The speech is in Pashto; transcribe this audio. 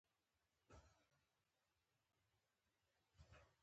شتمن خلک له مال نه د نیکۍ لپاره ګټه اخلي.